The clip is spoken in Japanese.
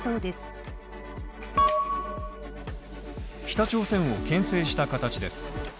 警視庁をけん制した形です。